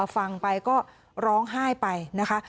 ฟังไปก็ร้องไห้ไปนะคะ